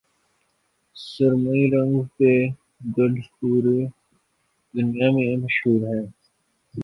سرمئی رنگ کے گدھ پوری دنیا میں مشہور ہیں